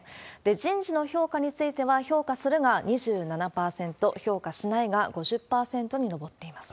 人事の評価については、評価するが２７％、評価しないが５０％に上っています。